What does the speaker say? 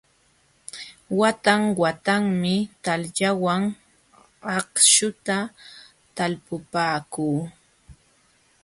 Watan watanmi takllawan akśhuta talpupaakuu.